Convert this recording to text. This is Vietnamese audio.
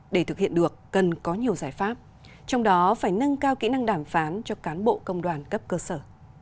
để thực hiện được cần có nhiều giải pháp trong đó phải nâng cao kỹ năng đàm phán cho cán bộ công đoàn cấp cơ sở